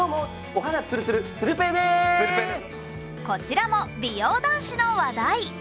こちらも美容男子の話題。